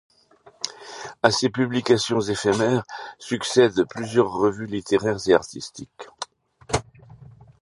À ces publications éphémères succèdent plusieurs revues littéraires et artistiques.